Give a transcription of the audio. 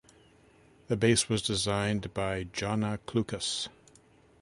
The base was designed by Johnna Klukas.